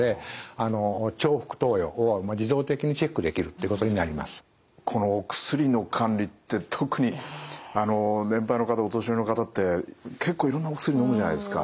電子処方箋になりますとこのお薬の管理って特に年配の方お年寄りの方って結構いろんなお薬のむじゃないですか。